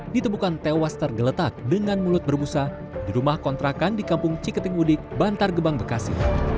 ditemukan tewas tergeletak dengan mulut berbusa di rumah kontrakan di kampung ciketingudik bantar gebang bekasi